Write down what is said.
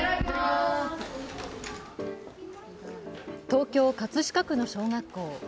東京・葛飾区の小学校。